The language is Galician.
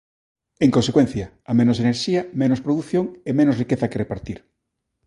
En consecuencia: a menos enerxía, menos produción e menos riqueza que repartir.